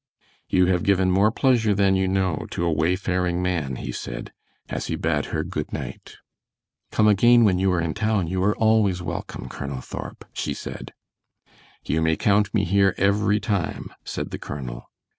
"You have given more pleasure than you know to a wayfaring man," he said, as he bade her good night. "Come again, when you are in town, you are always welcome, Colonel Thorp," she said. "You may count me here every time," said the colonel.